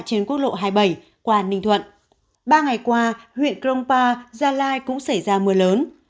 trên quốc lộ hai mươi bảy qua ninh thuận ba ngày qua huyện krongpa gia lai cũng xảy ra mưa lớn